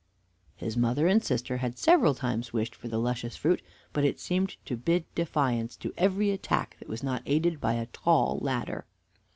His mother and sister had several times wished for the luscious fruit, but it seemed to bid defiance to every attack that was not aided by a tall ladder.